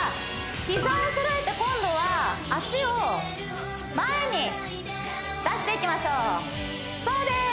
膝をそろえて今度は足を前に出していきましょうそうです